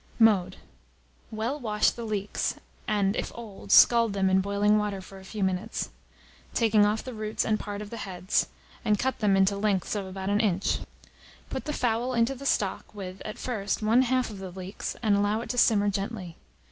Mode. Well wash the leeks (and, if old, scald them in boiling water for a few minutes), taking off the roots and part of the heads, and cut them into lengths of about an inch. Put the fowl into the stock, with, at first, one half of the leeks, and allow it to simmer gently.